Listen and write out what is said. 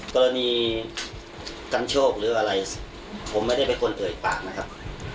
กรณีกันโชคหรืออะไรผมไม่ได้เป็นคนเอ่ยปากนะครับ